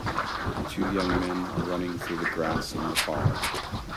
Two young men are running through the grass in the fall.